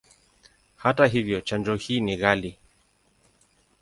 Hata hivyo, chanjo hii ni ghali.